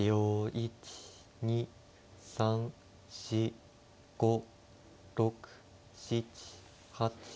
１２３４５６７８９。